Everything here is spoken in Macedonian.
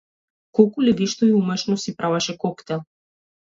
Колку ли вешто и умешно си правеше коктел!